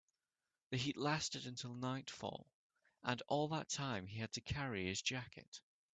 The heat lasted until nightfall, and all that time he had to carry his jacket.